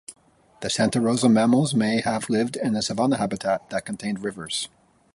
The Santa Rosa mammals may have lived in a savanna habitat that contained rivers.